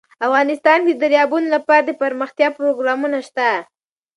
افغانستان کې د دریابونه لپاره دپرمختیا پروګرامونه شته.